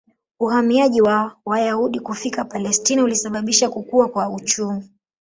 Uhamiaji wa Wayahudi kufika Palestina ulisababisha kukua kwa uchumi.